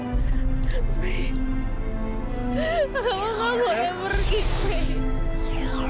fre kamu gak boleh pergi fre